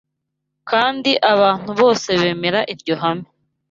Kandi abantu bose bemera iryo hame